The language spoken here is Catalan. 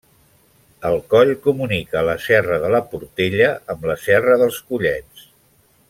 El coll comunica la Serra de la Portella amb la Serra dels Collets.